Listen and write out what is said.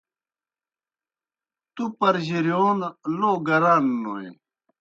تُوْ پرجِرِیون لو گران نوئے۔